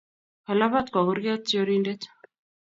Kalapat kwo kurket chorindet.